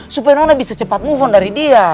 supaya nona bisa cepat move on dari dia